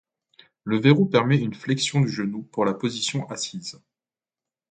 Le verrou permet une flexion du genou pour la position assise.